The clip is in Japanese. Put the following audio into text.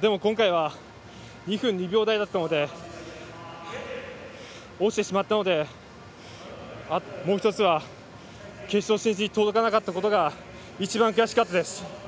でも今回は２分２秒台だったので落ちてしまったので、もう１つは決勝進出に届かなかったことが一番、悔しかったです。